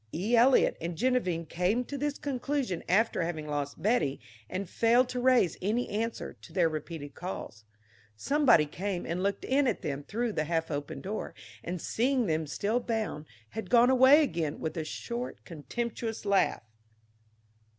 E. Eliot and Geneviève came to this conclusion after having lost Betty and failed to raise any answer to their repeated calls. Somebody came and looked in at them through the half open door, and, seeing them still bound, had gone away again with a short, contemptuous laugh.